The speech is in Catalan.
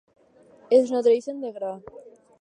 Es nodreixen de gra.